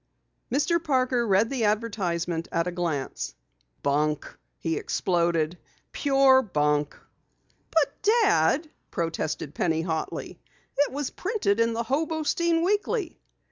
Mr. Parker read the advertisement at a glance. "Bunk!" he exploded. "Pure bunk!" "But Dad," protested Penny hotly. "It was printed in the Hobostein Weekly."